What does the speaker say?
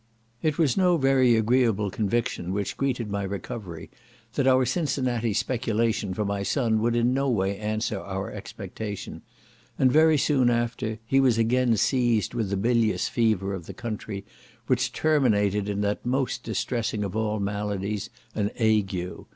It was no very agreeable conviction which greeted my recovery, that our Cincinnati speculation for my son would in no way answer our expectation; and very soon after, he was again seized with the bilious fever of the country, which terminated in that most distressing of all maladies, an ague.